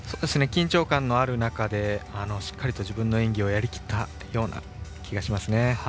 緊張感のある中でしっかりと自分の演技をやりきったような気がしますね。